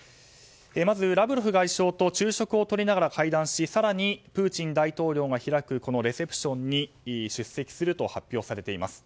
まずラブロフ外相と昼食をとりながら会談し更にプーチン大統領が開くレセプションに出席すると発表されています。